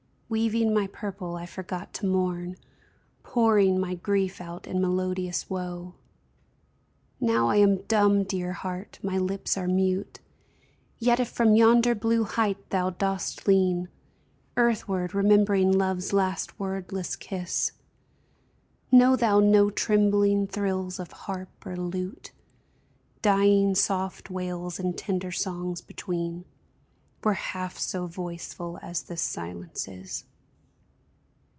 Weaving my purple, I forgot to mourn. Pouring my grief out in melodious woe ! Now am I dumb, dear heart. My lips are mute. Yet if from yonder blue height thou dost lean Earthward, remembering love's last wordless kiss, Know thou no trembling thrills of harp or lute, Dying soft wails and tender songs between, Were half so voiceful as this silence is